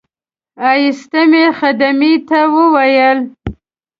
ایسته مې خدمې ته وویل.